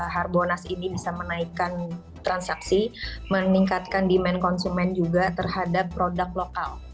harbonas ini bisa menaikkan transaksi meningkatkan demand konsumen juga terhadap produk lokal